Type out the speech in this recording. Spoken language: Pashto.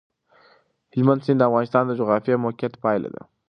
هلمند سیند د افغانستان د جغرافیایي موقیعت پایله ده.